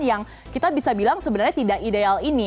yang kita bisa bilang sebenarnya tidak ideal ini